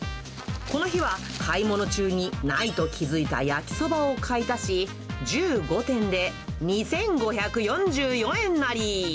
この日は、買い物中にないと気付いた焼きそばを買い足し、１５点で２５４４円也。